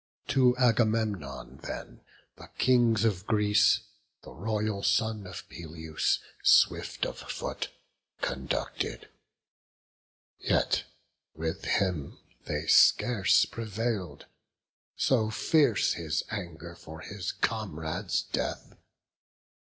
To Agamemnon then the Kings of Greece The royal son of Peleus, swift of foot, Conducted; yet with him they scarce prevail'd; So fierce his anger for his comrade's death.